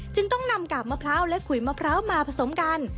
จึงต้องนำกากมะพร้าวและขุยมะพร้าวมาผสมกัน